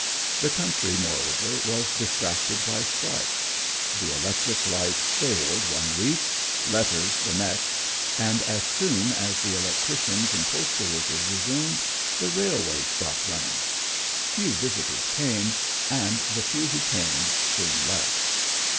The country, moreover, was distracted by strikes. The electric light failed one week, letters the next, and as soon as the electricians and postal workers resumed, the railways stopped running. Few visitors came, and the few who came soon left.